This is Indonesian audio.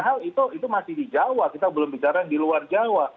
padahal itu masih di jawa kita belum bicara di luar jawa